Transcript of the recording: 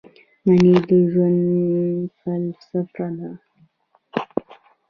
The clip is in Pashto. مني د ژوند فلسفه ده